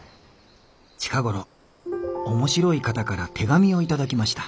近頃面白い方から手紙を頂きました。